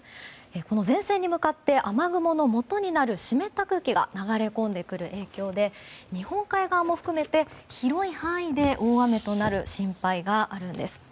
この前線に向かって雨雲のもとになる湿った空気が流れ込んでくる影響で日本海側も含めて広い範囲で大雨となる心配があるんです。